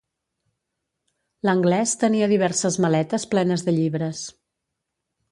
L'anglès tenia diverses maletes plenes de llibres.